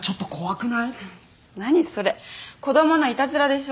何それ子供のいたずらでしょ？